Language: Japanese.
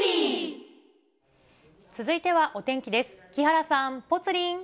続いてはお天気です。